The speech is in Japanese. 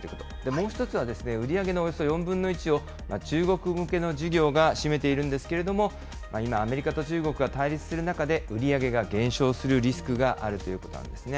もう１つは売り上げのおよそ４分の１を中国向けの事業が占めているんですけれども、今アメリカと中国が対立する中で、売り上げが減少するリスクがあるということなんですね。